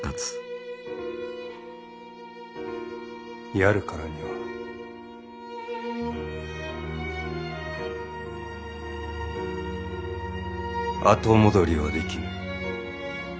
やるからには後戻りはできぬ。